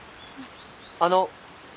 あの。